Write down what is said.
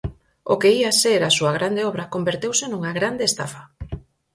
O que ía ser a súa grande obra converteuse nunha grande estafa.